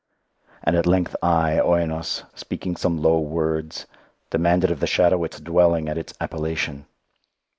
And at length I, Oinos, speaking some low words, demanded of the shadow its dwelling and its appellation.